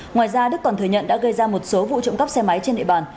ngoài ra đức còn thừa nhận đã gây ra một số vụ trộm cắp xe máy trên địa bàn